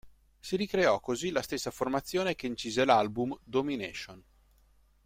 Si ricreò così la stessa formazione che incise l'album "Domination".